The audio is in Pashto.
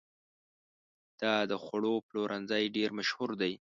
دا د خوړو پلورنځی ډېر مشهور دی.